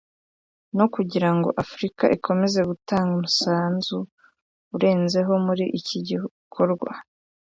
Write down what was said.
no kugirango Afurika ikomeze gutanga umusanzu urenzeho muri icyo gikorwa